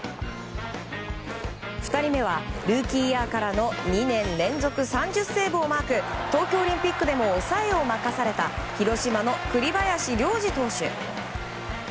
２人目はルーキーイヤーからの２年連続３０セーブをマーク東京オリンピックでも抑えを任された広島の栗林良吏投手。